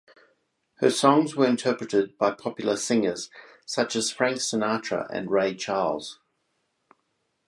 Her songs were interpreted by popular singers such as Frank Sinatra and Ray Charles.